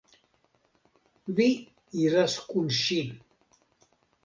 Vi iras kun ŝi.